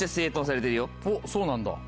おっそうなんだ。